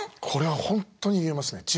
これは本当に言えますね